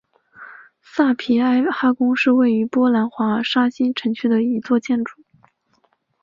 萨皮埃哈宫是位于波兰华沙新城区的一座建筑。